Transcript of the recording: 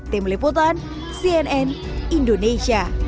tim liputan cnn indonesia